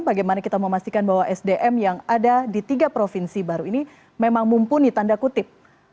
bagaimana kita memastikan bahwa sdm yang ada di tiga provinsi baru ini memang mumpuni tanda kutip